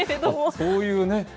そういう。